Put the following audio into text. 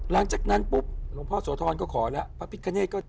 หลังจากนั้นรุมพ่อโสธรก็ขอพิฆเนตและพระพิฆเนต